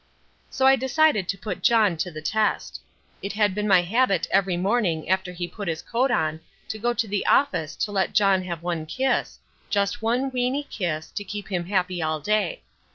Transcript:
So I decided to put John to the test. It had been my habit every morning after he put his coat on to go to the office to let John have one kiss, just one weeny kiss, to keep him happy all day.